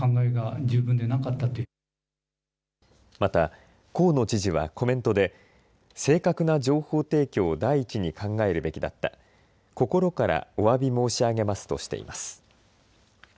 また、河野知事はコメントで正確な情報提供を第一に考えるべきだった心からおわび申し上げますとしています。